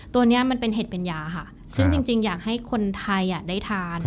ตัวนี้มันเป็นเห็ดเป็นยาค่ะซึ่งจริงอยากให้คนไทยได้ทาน